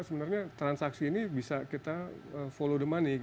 sebenarnya transaksi ini bisa kita lakukan